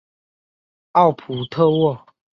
奥普特沃。